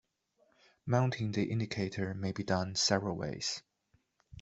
Mounting the indicator may be done several ways.